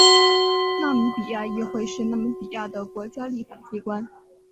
纳米比亚议会是纳米比亚的国家立法机关。